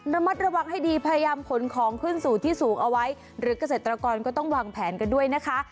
ระมัดระวังให้ดีพยายามขนของขึ้นสู่ที่สูงเอาไว้หรือเกษตรกรก็ต้องวางแผนกันด้วยนะคะ